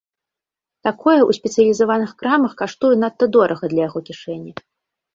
Такое ў спецыялізаваных крамах каштуе надта дорага для яго кішэні.